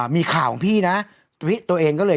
มีข่าวของพี่นะตัวเองก็เลย